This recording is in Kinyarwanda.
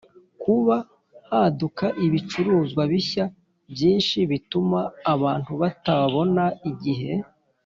Kuba haduka ibicuruzwa bishya byinshi bituma abantu batabona igihe